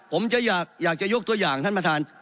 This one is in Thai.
ผมจะอยากจะยกตัวอย่างท่านประธาน